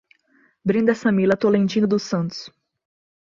Brenda Samila Tolentino dos Santos